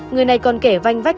người này còn kể vanh vách